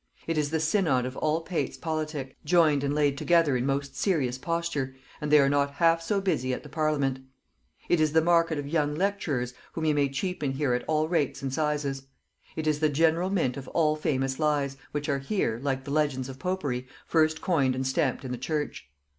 It is the synod of all pates politic, joined and laid together in most serious posture, and they are not half so busy at the parliament.... It is the market of young lecturers, whom you may cheapen here at all rates and sizes. It is the general mint of all famous lies, which are here, like the legends of popery, first coined and stamped in the church.